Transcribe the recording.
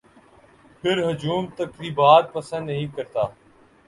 پر ہجوم تقریبات پسند نہیں کرتا